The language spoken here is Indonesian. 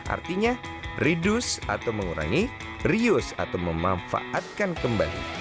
artinya reduce atau mengurangi reuse atau memanfaatkan kembali